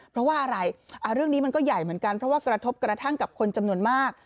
เพราะว่าอะไรเรื่องนี้มันก็ใหญ่เหมือนกันเพราะว่ากระทบกระทั่งกับคนจำนวนมาก